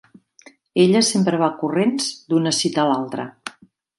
Ella sempre va corrents d'una cita a l'altra.